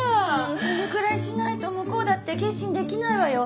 そのくらいしないと向こうだって決心できないわよ。